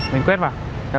mình quét vào